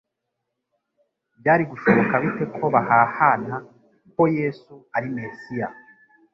byari gushoboka bite ko bahahana ko Yesu ari Mesiya?